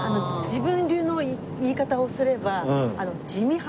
自分流の言い方をすれば。